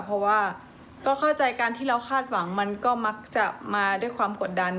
เพราะว่าก็เข้าใจการที่เราคาดหวังมันก็มักจะมาด้วยความกดดัน